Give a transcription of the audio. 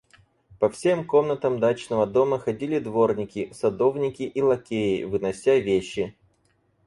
По всем комнатам дачного дома ходили дворники, садовники и лакеи, вынося вещи.